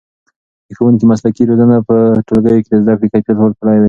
د ښوونکو مسلکي روزنه به په ټولګیو کې د زده کړې کیفیت لوړ کړي.